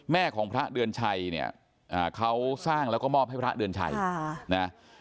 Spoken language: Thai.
ของพระเดือนชัยเนี่ยเขาสร้างแล้วก็มอบให้พระเดือนชัยนะ